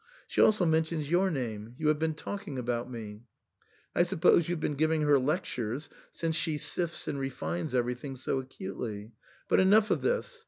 She also mentions your name. You have been talking about me, I suppose you have been giving her lectures, since she sifts and refines everything so acutely. But enough of this